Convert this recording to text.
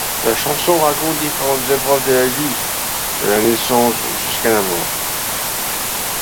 La chanson raconte différentes épreuves de la vie, de la naissance jusqu'à la mort.